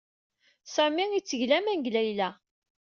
Sami yetteg laman deg Layla.